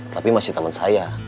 tapi masih teman saya